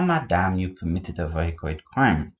madame, you committed a very great crime.